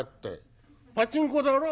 「パチンコだろ？」。